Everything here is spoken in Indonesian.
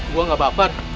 gue gak baper